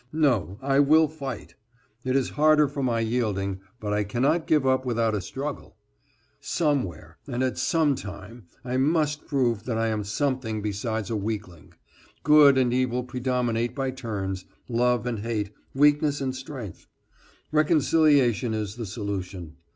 No, I will fight. It is harder for my yielding, but I cannot give up without a struggle. Somewhere and at some time I must prove that I am something besides a weakling. Good and evil predominate by turns, love and hate, weakness and strength. Reconciliation is the solution.